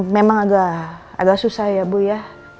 memang agak susah ya bu ya